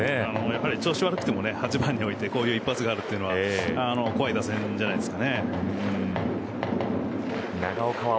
やはり、調子悪くても８番に置いてこういう一発があるのは怖い打線じゃないですかね。